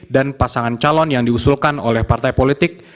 dan pasangan calon yang diusulkan oleh partai politik